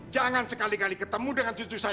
jangan sekali kali ketemu dengan jutaan